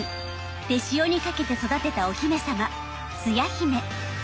手塩にかけて育てたお姫様